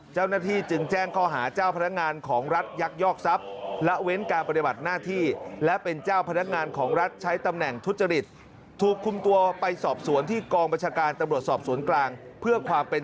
เจ้าหน้าที่จึงแจ้งข้อหาเจ้าพนักงานของรัฐยักษ์ยอกทรัพย์